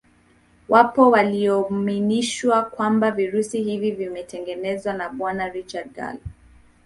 Wapo walioaminishwa kwamba virusi hivi vimetengenezwa na Bwana Richard Gallo